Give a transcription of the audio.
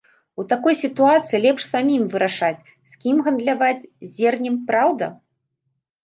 У такой сітуацыі лепш самім вырашаць, з кім гандляваць зернем, праўда?